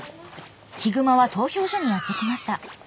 ヒグマは投票所にやって来ました